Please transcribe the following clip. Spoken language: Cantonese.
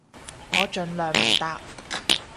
我盡量唔搭